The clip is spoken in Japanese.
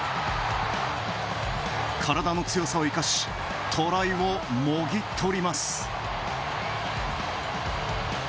体の強さを生かしトライをもぎ取ります。